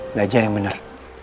belajar yang bener